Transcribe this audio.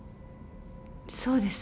そうです。